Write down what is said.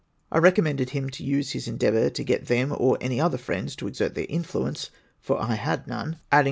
I recom mended him to use his endeavour to get them or any other friends to exert their influence, for I had none, adding that * Sir